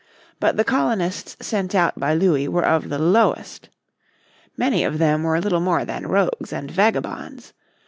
But the colonists sent out by Louis were of the lowest. Many of them were little more than rogues and vagabonds.